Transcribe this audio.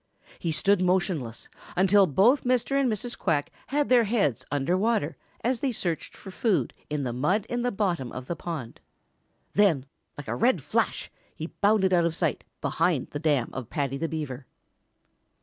He stood motionless until both Mr. and Mrs. Quack had their heads under water as they searched for food in the mud in the bottom of the pond. Then like a red flash he bounded out of sight behind the dam of Paddy the Beaver.